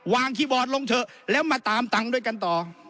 คีย์บอร์ดลงเถอะแล้วมาตามตังค์ด้วยกันต่อ